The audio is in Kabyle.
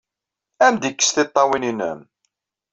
Ad am-d-yekkes tiṭṭawin-nnem!